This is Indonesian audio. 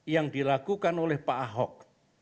yang dilakukan oleh pak ahok